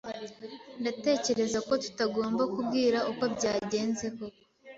Ndatekereza ko tutagomba kubwira uko byagenze koko.